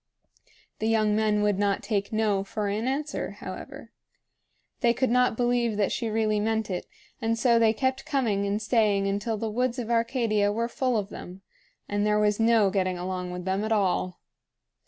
The young men would not take "No!" for an answer, however. They could not believe that she really meant it, and so they kept coming and staying until the woods of Arcadia were full of them, and there was no getting along with them at all.